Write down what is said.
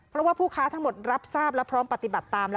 เพราะว่าผู้ค้าทั้งหมดรับทราบและพร้อมปฏิบัติตาม